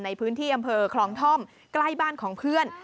ในพื้นที่อำเภอคลองท่อมใกล้บ้านของเพื่อน